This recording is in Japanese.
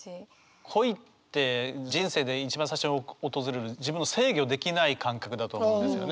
恋って人生で一番最初に訪れる自分を制御できない感覚だと思うんですよね。